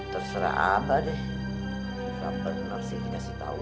terserah abah deh bukan benar sih kita sih tahu